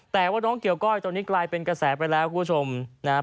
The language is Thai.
แต่ว่าน้องเกี่ยวก้อยตอนนี้กลายเป็นกระแสไปแล้วคุณผู้ชมนะครับ